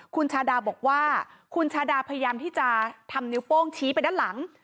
คุณชาดาบอกว่าคุณชาดาพยายามที่จะทำนิ้วโป้งชี้ไปด้านหลัง